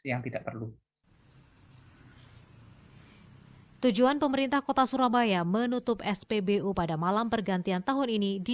yang tidak perlu tujuan pemerintah kota surabaya menutup spbu pada malam pergantian tahun ini di